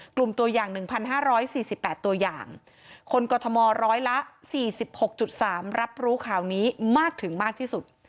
กลุ่มตัวอย่าง๑๕๔๘ตัวอย่างคนกรทมร้อยละ๔๖๓รับรู้ข่าวนี้มากถึงมากที่สุด